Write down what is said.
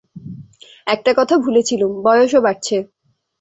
একটা কথা ভুলে ছিলুম, বয়সও বাড়ছে।